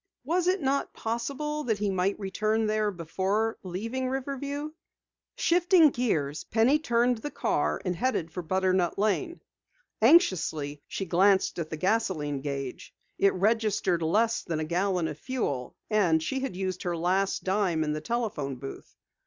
Was it not possible that he might return there before leaving Riverview? Shifting gears, Penny turned the car and headed for Butternut Lane. Anxiously, she glanced at the gasoline gauge. It registered less than a gallon of fuel and she had used her last dime in the telephone booth.